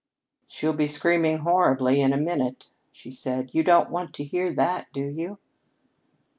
"She'll be screaming horribly in a minute," she said. "You don't want to hear that, do you?"